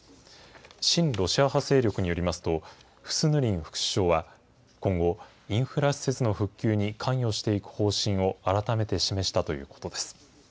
親ロシア派勢力によりますと、フスヌリン副首相は今後、インフラ施設の復旧に関与していく方針を改めて示したということです。